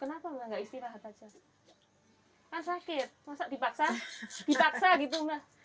kenapa mbah nggak istilahat saja kan sakit dipaksa gitu mbah